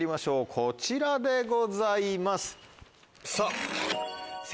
こちらでございます。